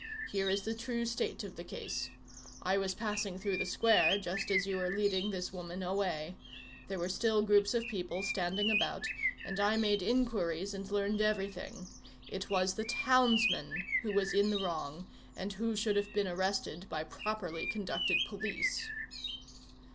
Here is the true state of the case: I was passing through the square just as you were leading this woman away; there were still groups of people standing about, and I made inquiries and learned everything; it was the townsman who was in the wrong and who should have been arrested by properly conducted police."